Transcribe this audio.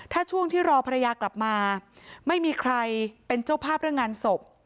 ถ้าช่วงที่รอภรรยากลับมาไม่มีใครเป็นเจ้าภาพเรื่องงานศพ